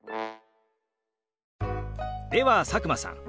では佐久間さん。